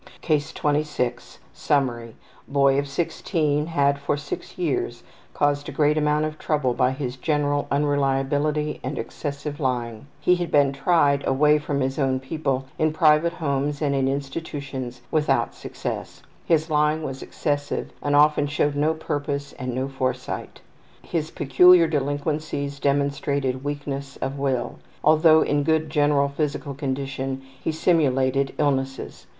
CASE 26 Summary: Boy of 16 had for 6 years caused a great amount of trouble by his general unreliability and excessive lying. He had been tried away from his own people in private homes and in institutions without success. His lying was excessive and often showed no purpose and no foresight. His peculiar delinquencies demonstrated weakness of will. Although in good general physical condition he simulated illnesses.